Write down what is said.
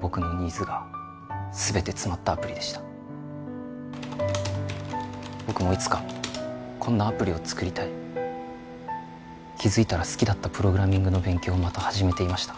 僕のニーズが全て詰まったアプリでした僕もいつかこんなアプリを作りたい気づいたら好きだったプログラミングの勉強をまた始めていました